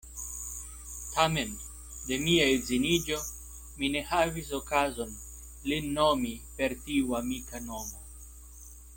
Tamen, de mia edziniĝo, mi ne havis okazon lin nomi per tiu amika nomo.